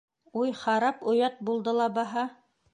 Уй, харап оят булды ла баһа...